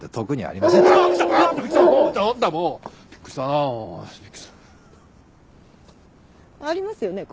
ありますよね？